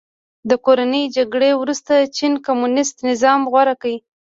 د کورنۍ جګړې وروسته چین کمونیستي نظام غوره کړ.